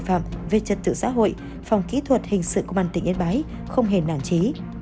cảnh sát điều tra tội phạm về chất tự xã hội phòng kỹ thuật hình sự của bàn tỉnh yên bái không hề nản trí